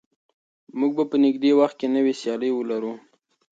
موږ به په نږدې وخت کې نوې سیالۍ ولرو.